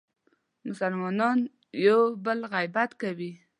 مسلمانان یو بل غیبت کوي.